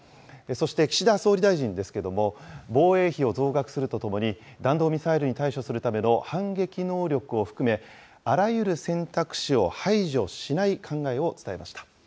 そして、岸田総理大臣ですけれども、防衛費を増額するとともに、弾道ミサイルに対処するための反撃能力を含め、あらゆる選択肢を排除しない考えを伝えました。